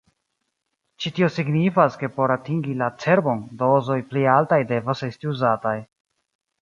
Ĉi-tio signifas ke por atingi la cerbon, dozoj pli altaj devas esti uzataj.